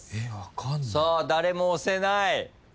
さあ誰も押せない。